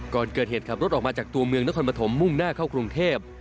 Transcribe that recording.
ก่อนเกิดเหตุขับรถออกมาจากตัวเมืองนครปฐมมุ่งหน้าเข้ากรุงเทพ